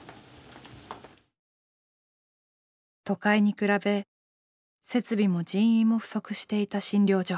都会に比べ設備も人員も不足していた診療所。